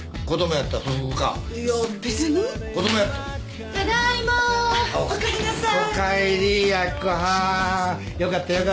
よかったよかった。